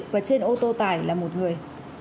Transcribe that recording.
và trên ô tô tải là một người